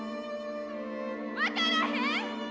分からへん！